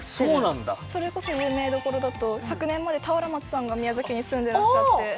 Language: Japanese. それこそ有名どころだと昨年まで俵万智さんが宮崎に住んでらっしゃって。